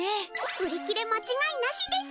売り切れ間違いなしです！